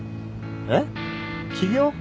えっ？起業？